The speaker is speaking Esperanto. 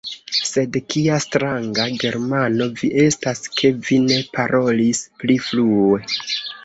Sed kia stranga Germano vi estas, ke vi ne parolis pli frue!